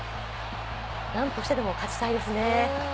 何としてでも勝ちたいですね。